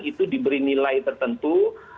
itu diberi nilai tertentu